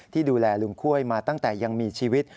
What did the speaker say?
ดูแลลุงค่วยมาตั้งแต่ยังมีชีวิต